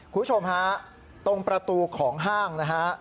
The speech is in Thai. คุณผู้ชมฮะตรงประตูของห้างนะฮะ